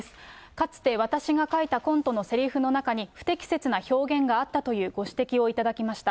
かつて私が書いたコントのせりふの中に、不適切な表現があったというご指摘をいただきました。